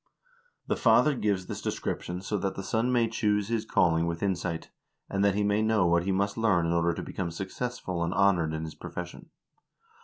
The father gives this description so that the son may choose his calling with insight, and that he may know what he must learn in order to become successful and honored in his pro fession.